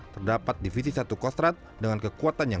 terdapat divisi i kostrat dengan kekuatan jepang